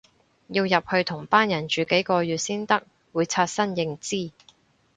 要入去同班人住幾個月先得，會刷新認知